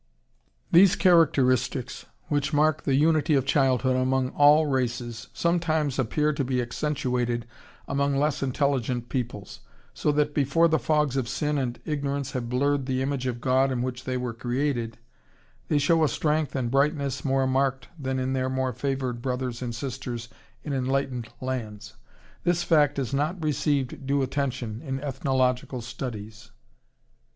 ... These characteristics which mark the unity of childhood among all races, sometimes appear to be accentuated among less intelligent peoples; so that, before the fogs of sin and ignorance have blurred the image of God in which they were created, they show a strength and brightness more marked than in their more favored brothers and sisters in enlightened lands. This fact has not received due attention in ethnological studies.